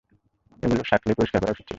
এগুলো সাকলেই পরিষ্কার করা উচিত ছিলো।